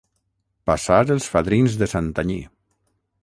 Passar els fadrins de Santanyí.